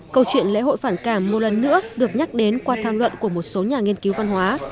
câu chuyện lễ hội phản cảm một lần nữa được nhắc đến qua tham luận của một số nhà nghiên cứu văn hóa